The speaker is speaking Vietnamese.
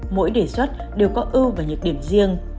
mỗi đề xuất đều có ưu và nhược điểm riêng